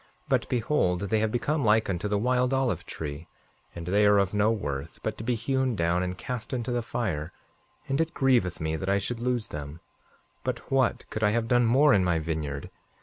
But, behold, they have become like unto the wild olive tree, and they are of no worth but to be hewn down and cast into the fire; and it grieveth me that I should lose them. 5:47 But what could I have done more in my vineyard?